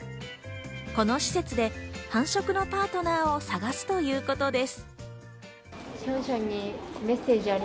この施設で繁殖のパートナーを探すということです。